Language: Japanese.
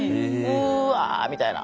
うわみたいな。